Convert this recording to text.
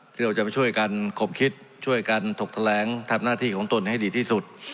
ที่เราจะมาช่วยกันขบคิดช่วยกันถกแถลงทำหน้าที่ของตนให้ดีที่สุด